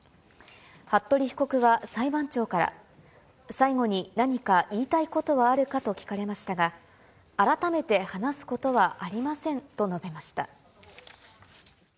服部被告は裁判長から、最後に何か言いたいことはあるかと聞かれましたが、改めて話すことはありませんと述べました。